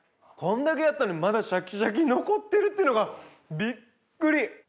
こんだけやったのにまだシャキシャキ残ってるっていうのがびっくり！